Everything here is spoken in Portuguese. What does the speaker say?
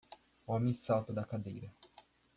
O homem salta da cadeira.